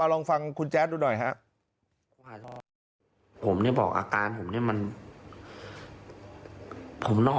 ลองฟังคุณแจ๊ดดูหน่อยครับ